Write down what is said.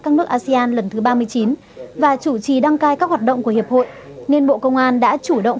các nước asean lần thứ ba mươi chín và chủ trì đăng cai các hoạt động của hiệp hội nên bộ công an đã chủ động